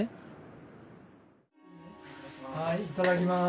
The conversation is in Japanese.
はいいただきます。